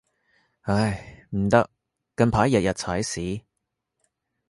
唉，唔得，近排日日踩屎